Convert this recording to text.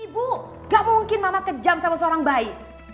ibu gak mungkin mama kejam sama seorang bayi